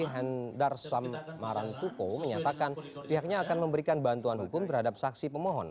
hendar sam marangkuko menyatakan pihaknya akan memberikan bantuan hukum terhadap saksi pemohon